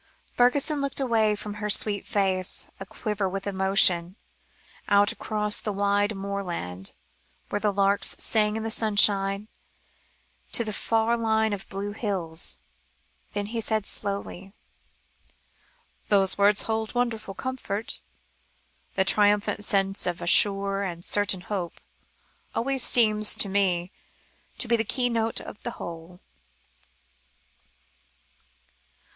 Fergusson looked away from her sweet face, aquiver with emotion, out across the wide moorland, where the larks sang in the sunshine, to the far line of blue hills, then he said slowly "The words hold wonderful comfort. The triumphant sense of a sure and certain hope, always seems to me to be the keynote of the whole."